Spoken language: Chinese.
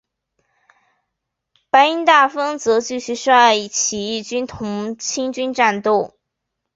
白音大赉则继续率起义军同清军战斗。